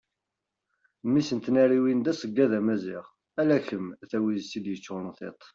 mmi-s n tnariwin d aseggad amaziɣ ala kem a tawizet i d-yeččuren tiṭ